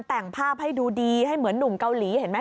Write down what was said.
แต่งภาพให้ดูดีให้เหมือนหนุ่มเกาหลีเห็นไหม